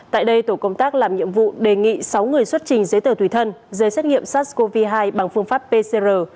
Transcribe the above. tại đây tổ công tác làm nhiệm vụ đề nghị sáu người xuất trình giấy tờ tùy thân giấy xét nghiệm sars cov hai bằng phương pháp pcr